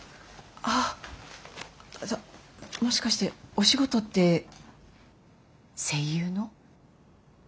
あっじゃあもしかしてお仕事って声優の？